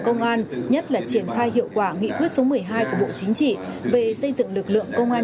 công an nhất là triển khai hiệu quả nghị quyết số một mươi hai của bộ chính trị về xây dựng lực lượng công an